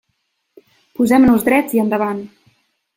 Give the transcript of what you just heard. Posem-nos drets i endavant.